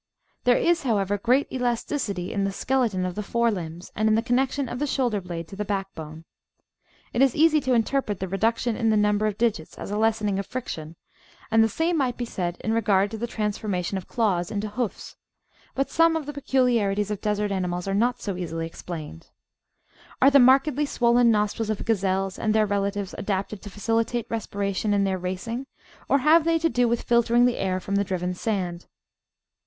There is, however, great elasticity in the skeleton of the fore limbs and in the connection of the shoulder blade to the backbone. It is easy to interpret the re duction in the number of digits as a lessening of friction, and the same might be said in regard to the transformation of claws into hoofs, but some of the peculiarities of desert animals are not so easily explained. Are the markedly swollen nostrils of gazelles and their relatives adapted to facilitate respiration in their racing, or have they to do with filtering the air from the driven sand?